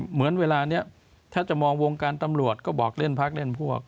เหมือนเวลานี้ถ้าจะมองวงการตำรวจก็บอกเล่นพักเล่นพวก